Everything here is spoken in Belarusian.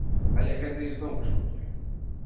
Але гэта ізноў чуткі.